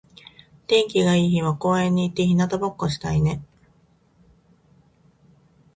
天気が良い日は公園に行って日向ぼっこしたいね。